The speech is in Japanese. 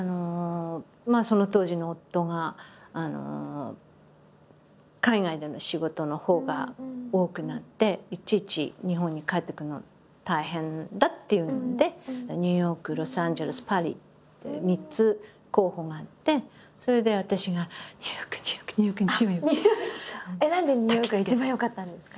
その当時の夫が海外での仕事のほうが多くなっていちいち日本に帰ってくるの大変だっていうのでニューヨークロサンゼルスパリ３つ候補があってそれで私が何でニューヨークが一番よかったんですか？